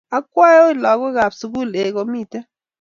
"Akwe oi lagookab sugul?"Eeh kimiten